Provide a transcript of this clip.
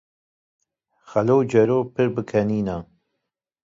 Xelo û Celo pir bi kenîne